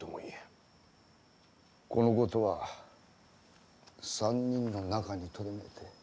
この事は３人の中にとどめて。